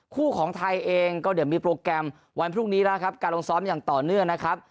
คู่ของไทยเองก็เดี๋ยวมีโปรแกรมวันพรุ่งนี้แล้วครับการลงซ้อมอย่างต่อเนื่องนะครับ